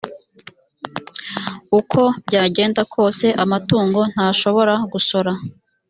uko byagenda kose amatungo ntashobora gusora